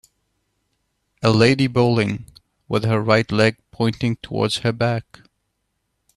A lady bowling, with her right leg pointing towards her back.